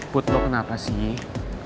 put lo kenapa sih